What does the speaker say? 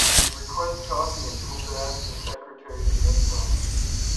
He requests coffee and Gould asks his secretary to get some.